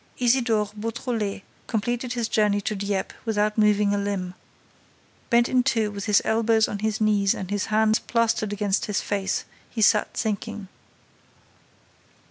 Isidore Beautrelet completed his journey to Dieppe without moving a limb. Bent in two, with his elbows on his knees and his hands plastered against his face, he sat thinking.